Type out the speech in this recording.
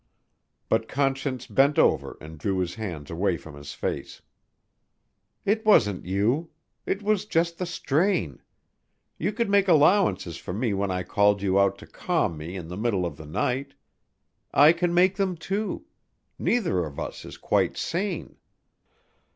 But Conscience bent over and drew his hands away from his face. "It wasn't you. It was just the strain. You could make allowances for me when I called you out to calm me in the middle of the night. I can make them, too. Neither of us is quite sane."